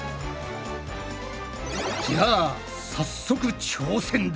じゃあ早速挑戦だ。